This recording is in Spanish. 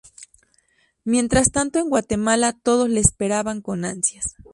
Mientras tanto en Guatemala todos le esperaban con ansias.